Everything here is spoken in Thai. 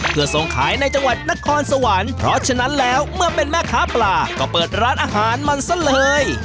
เพื่อส่งขายในจังหวัดนครสวรรค์เพราะฉะนั้นแล้วเมื่อเป็นแม่ค้าปลาก็เปิดร้านอาหารมันซะเลย